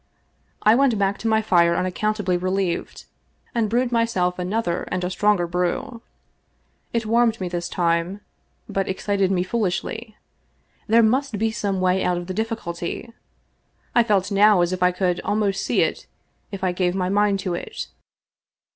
I went back to my fire unaccountably relieved, and brewed myself another and a stronger brew. It warmed me this time, but excited me foolishly. There must be some way out of the difficulty. I felt now as if I could almost see it if I gave my mind to it.